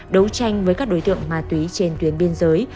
đấu tranh với các đối tượng ma túy trên tuyến biên giới